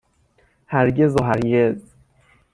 هرگز و هرگز